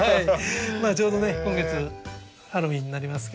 ちょうどね今月ハロウィーンになりますけど。